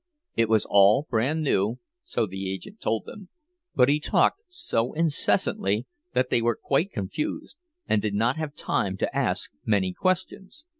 It was all brand new, so the agent told them, but he talked so incessantly that they were quite confused, and did not have time to ask many questions.